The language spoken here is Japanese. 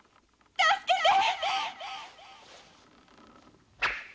助けて！